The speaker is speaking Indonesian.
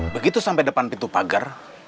begitu sampai depan pintu pagar